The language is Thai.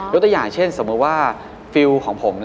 ตัวอย่างเช่นสมมุติว่าฟิลล์ของผม